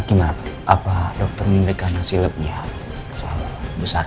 gimana dokter milik anda hasilnya besar